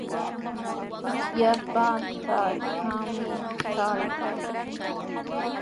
Trakillapa trakraman trarqaa.